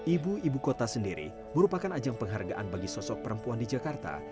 ibu ibu kota sendiri merupakan ajang penghargaan bagi sosok perempuan di jakarta